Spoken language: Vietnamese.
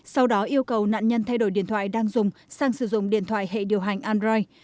sau đó yêu cầu nạn nhân thay đổi điện thoại đang dùng sang sử dụng điện thoại hệ điều hành android